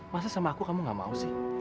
masa sama aku kamu gak mau sih